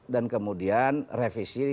dan kemudian revisi